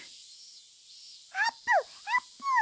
あーぷんあーぷん！